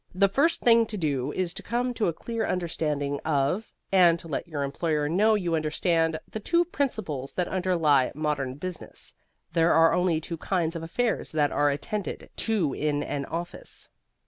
The first thing to do is to come to a clear understanding of (and to let your employer know you understand) the two principles that underlie modern business. There are only two kinds of affairs that are attended to in an office.